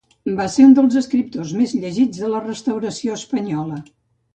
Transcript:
Va ser un dels escriptors més llegits de la Restauració espanyola.